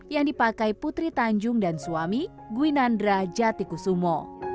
yang dipakai putri tanjung dan suami gwinandra jatikusumo